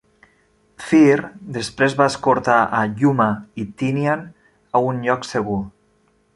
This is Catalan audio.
"Fir" després va escortar a "Yuma" i "Tinian" a un lloc segur.